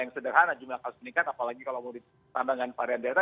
yang sederhana jumlah kasus meningkat apalagi kalau mau ditambah dengan varian delta